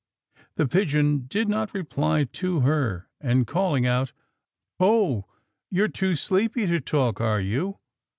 The pigeon did not reply to her, and calling out, "Oh! you are too sleepy to talk, are you?"